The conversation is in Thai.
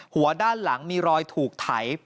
หัวด้านหลังมีรอยถูกไถ